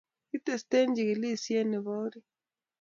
kitesten chigilishiet nebo orit.